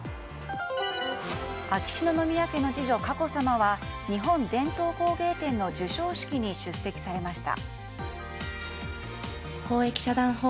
秋篠宮家の次女・佳子さまは「日本伝統工芸展」の授賞式に出席されました。